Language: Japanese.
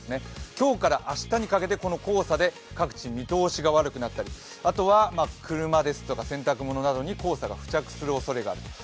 今日から明日にかけて黄砂で各地見通しが悪くなったりあとは車、洗濯物などに黄砂が付着するおそれがある。